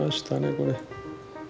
これ。